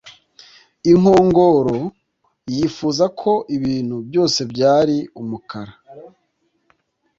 Inkongoro yifuza ko ibintu byose byari umukara